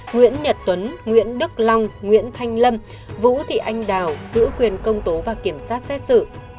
nguyễn nhật tuấn nguyễn đức long nguyễn thanh lâm vũ thị anh đào giữ quyền công tố và kiểm sát xét xử